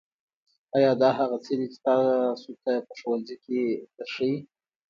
ایا دا هغه څه دي چې تاسو ته په ښوونځي کې درښیي